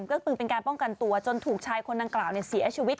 ก็คือเป็นการป้องกันตัวจนถูกชายคนดังกล่าวเสียชีวิต